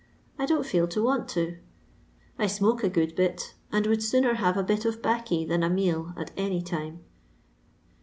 I don't feel to want it I smoke a good bit, and would sooner have a bit of baccy than a meal at any time.